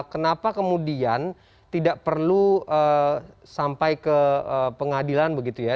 kenapa kemudian tidak perlu sampai ke pengadilan begitu ya